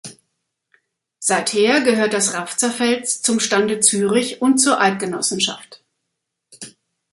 Seither gehört das Rafzerfeld zum Stande Zürich und zur Eidgenossenschaft.